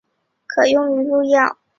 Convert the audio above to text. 可用于入药。